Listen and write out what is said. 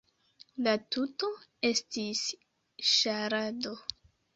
La tuto estis ŝarado.